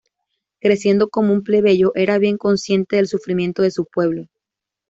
Creciendo como un plebeyo, era bien consciente del sufrimiento de su pueblo.